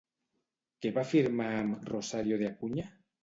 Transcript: Què va firmar amb Rosario de Acuña?